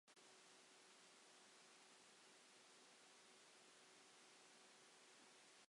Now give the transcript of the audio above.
Roedd hefyd yn aelod o Academi Llythyrau Brasil.